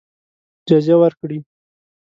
جزیه ورکړي.